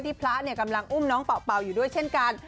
พระกำลังอุ้มน้องเป่าอยู่ด้วยเช่นกัน